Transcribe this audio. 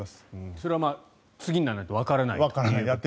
それは次にならないとわからない。